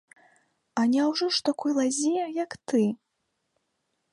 А няўжо ж такой лазе, як ты?